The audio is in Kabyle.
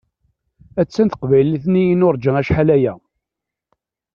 Attan teqbaylit-nni i nuṛǧa acḥal aya!